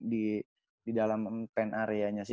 di dalam pen area nya sih